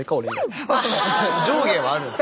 上下はあるんですね。